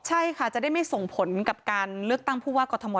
ใช่ค่ะจะได้ไม่ส่งผลกับการเลือกตั้งผู้ว่ากรทม